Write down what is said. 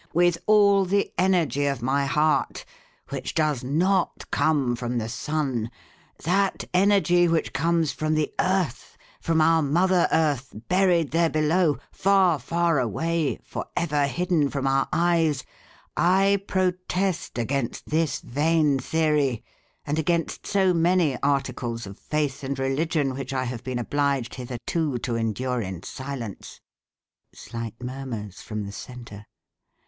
With all the energy of my heart, which does not come from the sun that energy which comes from the earth, from our mother earth buried there below, far, far away, for ever hidden from our eyes I protest against this vain theory, and against so many articles of faith and religion which I have been obliged hitherto to endure in silence. (Slight murmurs from the centre.)